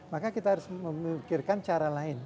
maka kita harus memikirkan cara lain